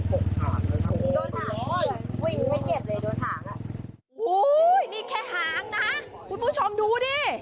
โอ้โหนี่แค่หางนะคุณผู้ชมดูดิ